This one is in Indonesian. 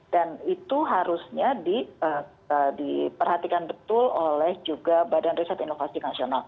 dan itu harusnya diperhatikan betul oleh juga badan riset inovasi nasional